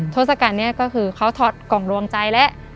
ทศกัณฐ์นี้ก็คือเขาถอดกล่องดวงใจแล้ว